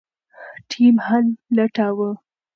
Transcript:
ټیم حل لټاوه.